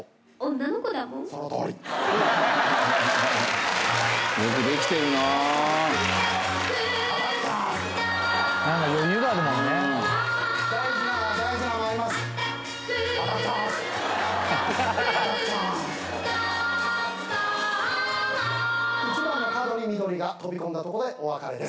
ナンバーワン１番の角に緑が飛び込んだとこでお別れです。